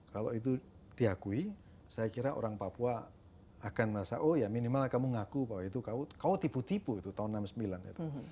kalau itu diakui saya kira orang papua akan merasa oh ya minimal kamu ngaku bahwa itu kau tipu tipu itu tahun seribu sembilan ratus enam puluh sembilan itu